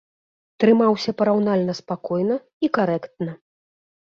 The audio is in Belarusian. Трымаўся параўнальна спакойна і карэктна.